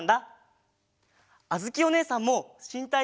あづきおねえさんもしんたい